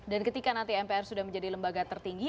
dan ketika nanti mpr sudah menjadi lembaga tertinggi